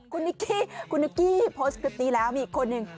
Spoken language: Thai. คุณนิกกี้โพสต์คลิปนี้แล้วมีคนหนึ่ง